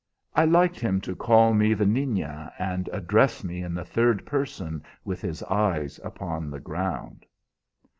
I liked him to call me 'the Niña,' and address me in the third person with his eyes upon the ground.